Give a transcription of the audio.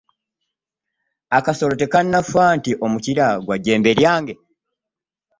Akasolo tekanafa nti omukira gwa Jjembe lyange .